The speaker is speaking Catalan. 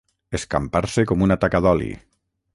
Escampar-se com una taca d'oli.